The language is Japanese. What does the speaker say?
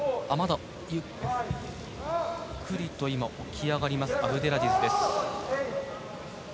まだゆっくりと今、起き上がりますアブデラジズです。